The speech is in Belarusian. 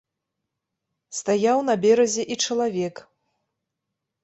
Стаяў на беразе і чалавек.